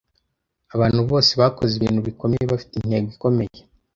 Abantu bose bakoze ibintu bikomeye bafite intego ikomeye